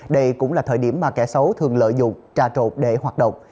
đây cũng là thời điểm mà kẻ xấu thường lợi dụng trà trộn để hoạt động